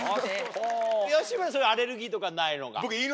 吉村はそういうアレルギーとかはないのか？